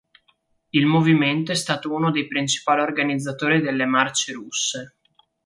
Il movimento è stato uno dei principali organizzatori delle "Marce russe".